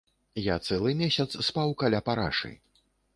Я цэлы месяц спаў каля парашы.